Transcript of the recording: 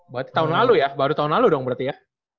berarti tahun lalu ya baru tahun lalu dong berarti ya